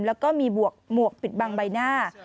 แล้วก็มีหมวกปิดบังใบหน้า